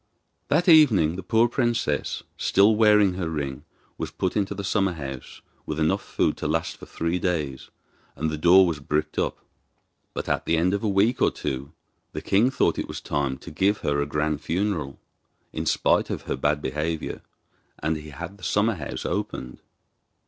That evening the poor princess, still wearing her ring, was put into the summer house with enough food to last for three days, and the door was bricked up. But at the end of a week or two the king thought it was time to give her a grand funeral, in spite of her bad behaviour, and he had the summer house opened.